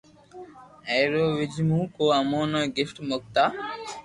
او اي رو وجھ مون ڪو امون نو گفٽ مڪتا